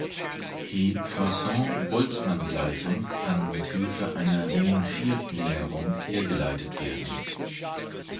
Die Poisson-Boltzmann-Gleichung kann mithilfe einer Mean-Field-Näherung hergeleitet werden.